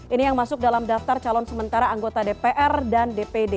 ini yang masuk dalam daftar calon sementara anggota dpr dan dpd